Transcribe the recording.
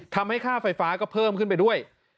ทำให้ค่าไฟฟ้าก็เพิ่มขึ้นไปด้วย